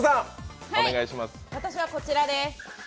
私はこちらです。